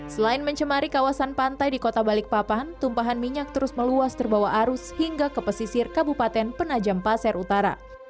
selain mencemari kawasan pantai di kota balikpapan tumpahan minyak terus meluas terbawa arus hingga ke pesisir kabupaten penajam pasir utara